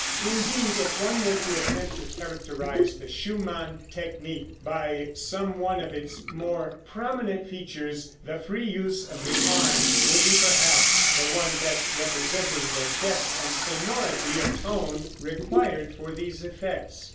Indeed, if one were to attempt to characterize the Schumann technique by some one of its more prominent features, the free use of the arm would be, perhaps, the one best representing the depth and sonority of tone required for these effects.